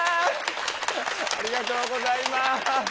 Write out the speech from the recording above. ありがとうございます。